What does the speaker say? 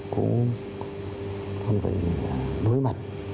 cũng không phải đối mặt